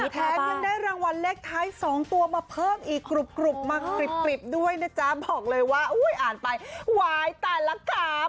แถมยังได้รางวัลเลขท้าย๒ตัวมาเพิ่มอีกกรุบมากริบด้วยนะจ๊ะบอกเลยว่าอุ้ยอ่านไปวายแต่ละกราบ